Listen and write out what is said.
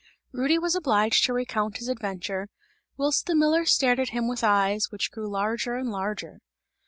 Rudy was obliged to recount his adventure, whilst the miller stared at him with eyes, which grew larger and larger.